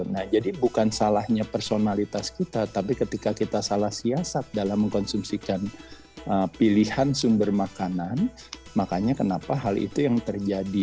nah jadi bukan salahnya personalitas kita tapi ketika kita salah siasat dalam mengkonsumsikan pilihan sumber makanan makanya kenapa hal itu yang terjadi